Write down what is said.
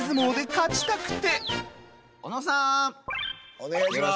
お願いします。